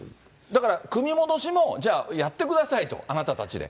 だから、組み戻しも、じゃあやってくださいと、あなたたちで。